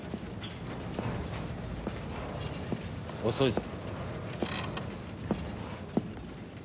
遅いぞ。